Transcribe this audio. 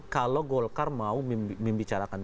kalau golkar mau membicarakan